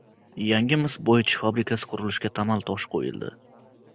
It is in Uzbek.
Yangi mis boyitish fabrikasi qurilishiga tamal toshi qo‘yildi